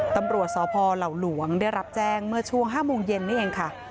ตำรวจสพเหล่าหลวงได้รับแจ้งเมื่อช่วง๕โมงเย็นนี่เองค่ะ